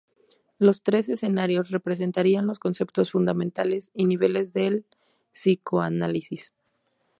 Los tres escenarios representarían los conceptos fundamentales y niveles del psicoanálisis.